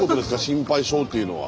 心配性っていうのは。